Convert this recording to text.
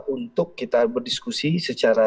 untuk kita berdiskusi secara